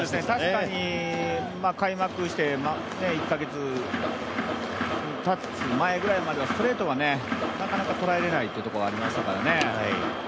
確かに開幕して、１カ月たつ前くらいからストレートがなかなか捉えられないっていうところがありましたからね。